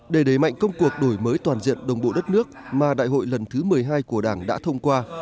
để đẩy mạnh công cuộc đổi mới toàn diện đồng bộ đất nước mà đại hội lần thứ một mươi hai của đảng đã thông qua